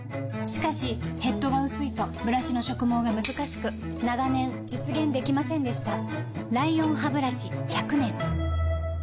しかしヘッドが薄いとブラシの植毛がむずかしく長年実現できませんでした